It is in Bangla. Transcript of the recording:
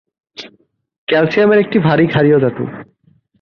ক্যালসিয়ামের একটি ভারী ক্ষারীয় ধাতু।